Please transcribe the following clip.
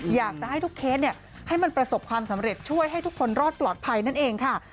อยากจะให้ทุกเคสให้มันประสบความสำเร็จช่วยให้ทุกคนรอดปลอดภัยนั่นเองค่ะ